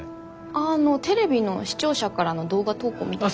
あああのテレビの視聴者からの動画投稿みたいな？